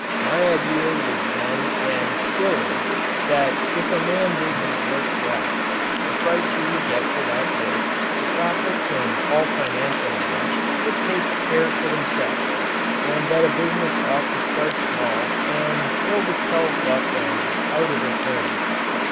My idea was then and still is that if a man did his work well, the price he would get for that work, the profits and all financial matters, would care for themselves and that a business ought to start small and build itself up and out of its earnings.